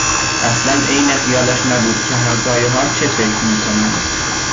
اصلا عین خیالش نبود که همسایهها چه فکر میکنند.